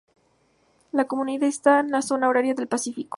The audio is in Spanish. La comunidad está en la zona horaria del Pacífico.